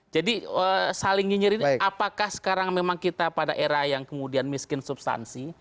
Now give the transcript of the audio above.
jadi saling nyinyir ini apakah sekarang memang kita pada era yang kemudian miskin substansi